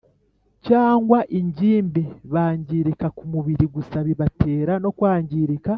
cyangwa ingimbi bangirika ku mubiri gusa, bibatera no kwangirika